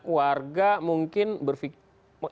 warga mungkin berpikir